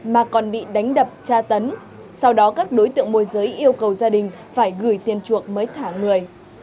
mà còn bị đánh đập tra tấn sau đó các đối tượng môi giới yêu cầu gia đình phải gửi tiền chuộc mới thả người